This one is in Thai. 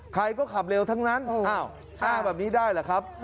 ใครก็ขับเร็วทั้งนั้นอ้าวอ้างแบบนี้ได้เหรอครับ